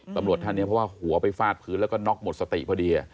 ตำรวจท่านนี้เพราะว่าหัวไปฟาดพื้นแล้วก็น็อกหมดสติพอดี